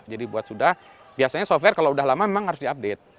jadi buat sudah biasanya software kalau sudah lama memang harus di update